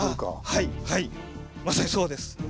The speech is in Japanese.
はいはいまさにそうです。